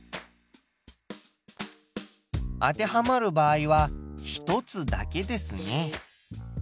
当てはまる場合は１つだけですね。